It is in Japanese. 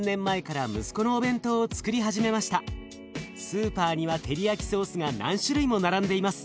スーパーにはテリヤキソースが何種類も並んでいます。